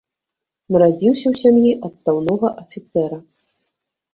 Нарадзіўся ў сям'і адстаўнога афіцэра.